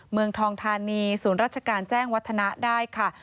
เมืองทองธานีศูนย์ราชการแจ้งวัฒนะได้ค่ะ